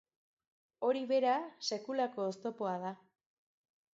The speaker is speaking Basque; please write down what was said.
Hori bera sekulako oztopoa da.